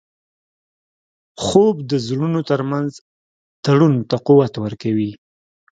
خوب د زړونو ترمنځ تړون ته قوت ورکوي